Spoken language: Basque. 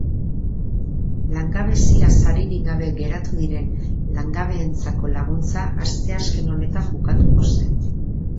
Langabezia saririk gabe geratu diren langabeentzako laguntza asteazken honetan bukatuko zen.